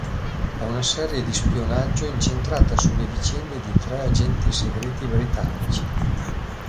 È una serie di spionaggio incentrata sulle vicende di tre agenti segreti britannici.